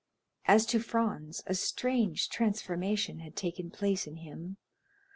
As to Franz a strange transformation had taken place in him.